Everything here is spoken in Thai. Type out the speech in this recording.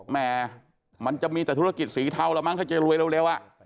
แหมมันจะมีแต่ธุรกิจสีเทาแล้วมั้งถ้าจะรวยเร็ว